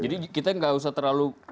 jadi kita gak usah terlalu